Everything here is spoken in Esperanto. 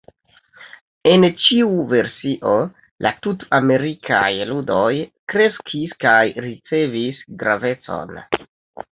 En ĉiu versio, la Tut-Amerikaj Ludoj kreskis kaj ricevis gravecon.